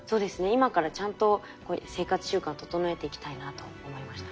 今からちゃんと生活習慣を整えていきたいなと思いました。